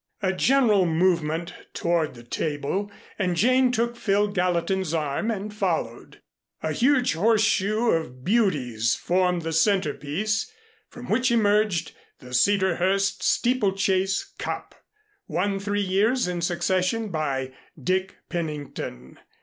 A general movement toward the table, and Jane took Phil Gallatin's arm and followed. A huge horse shoe of Beauties formed the centerpiece, from which emerged the Cedarhurst Steeplechase Cup, won three years in succession by Dick Pennington.